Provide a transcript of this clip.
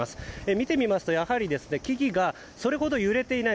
見てみますとやはり木々がそれほど揺れていない。